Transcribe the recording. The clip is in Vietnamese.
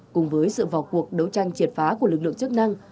cùng với sự vào cuộc đấu tranh triệt phá của lực lượng chức năng